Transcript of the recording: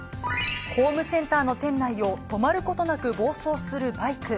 ホームセンターの店内を止まることなく暴走するバイク。